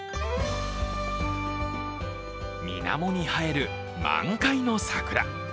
水面に映える満開の桜。